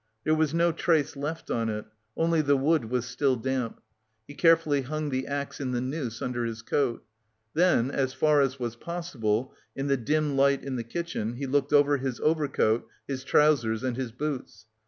There was no trace left on it, only the wood was still damp. He carefully hung the axe in the noose under his coat. Then as far as was possible, in the dim light in the kitchen, he looked over his overcoat, his trousers and his boots.